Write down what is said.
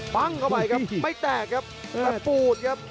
ปั้งเข้าไปครับไม่แตกครับตะปูดครับ